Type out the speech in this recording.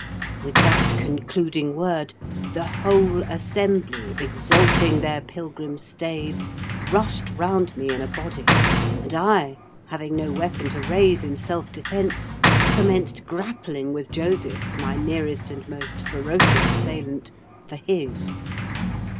With that concluding word, the whole assembly, exalting their pilgrim's staves, rushed round me in a body; and I, having no weapon to raise in self defence, commenced grappling with Joseph, my nearest and most ferocious assailant, for his.